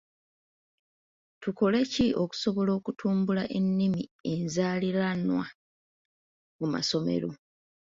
Tukole ki okusobola okutumbula ennimi enzaaliranwa mu masomero?